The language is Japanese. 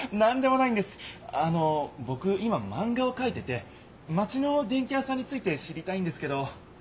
あのぼく今マンガをかいててマチの電器屋さんについて知りたいんですけど。